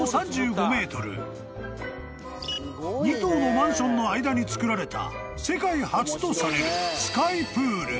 ［２棟のマンションの間に造られた世界初とされる］